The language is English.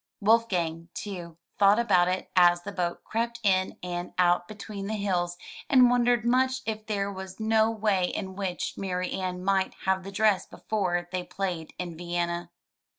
Wolfgang, too, thought about it as the boat crept in and out between the hills, and wondered much if there was no way in which Marianne might have the dress before they played in Vienna.